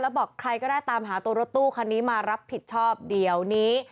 บอกใครก็ได้ตามหาตัวรถตู้คันนี้มารับผิดชอบเดี๋ยวนี้